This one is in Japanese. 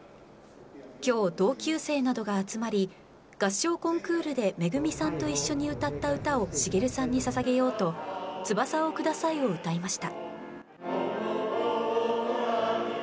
きょう、同級生などが集まり、合唱コンクールでめぐみさんと一緒に歌った歌を滋さんにささげようと、翼をくださいを歌いました。